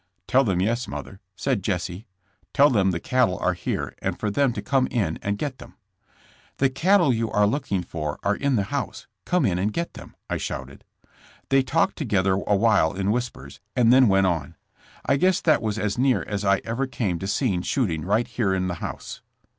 ^'Tell them yes, mother, said Jesse. 'Tell them the cattle are here and for them to come in and get them.' *' 'The cattle you are looking for are in the house; come in and get them!' I shouted. They talked together awhile in whispers and then went on. I guess that was as near as I ever came to seeing shooting right here in the house.